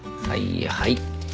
はいはい。